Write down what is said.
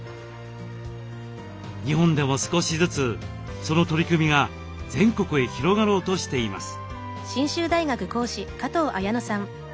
日本でも少しずつその取り組みが全国へ広がろうとしています。